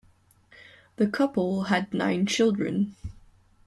The couple had nine children.